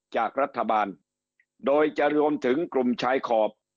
จากรัฐบาลโดยจะรวมถึงกลุ่มชายขอบ